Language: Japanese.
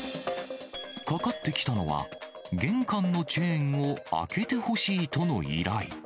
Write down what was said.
かかってきたのは、玄関のチェーンを開けてほしいとの依頼。